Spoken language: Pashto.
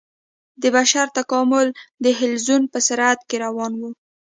د بشر تکامل د حلزون په سرعت روان و.